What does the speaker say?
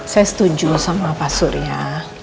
saya setuju sama pak surya